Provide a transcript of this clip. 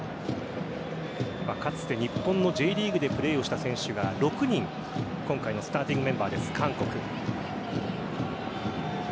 かつて日本のＪリーグでプレーをした選手が６人、今回のスターティングメンバーです韓国。